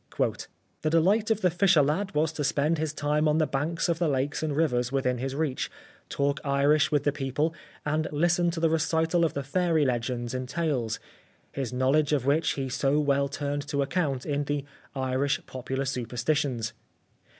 " The delight of the fisher lad was to spend his time on the banks of the lakes and rivers within his reach, talk Irish with the people, and listen to the recital of the fairy legends and tales ; his knowledge of which he so well turned to account in the ' Irish Popular Superstitions.'